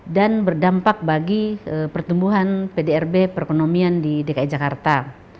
dan berdampak bagi pertumbuhan pdrb perekonomian di dki jakarta